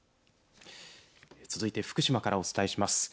続いて福島からお伝えします。